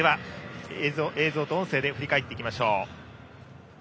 映像と音声で振り返っていきましょう。